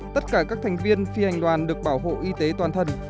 tất cả các thành viên phi hành đoàn được bảo hộ y tế toàn thân